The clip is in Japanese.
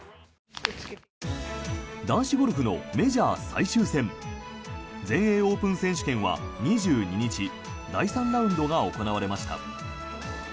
男子ゴルフのメジャー最終戦全英オープン選手権は２２日第３ラウンドが行われました。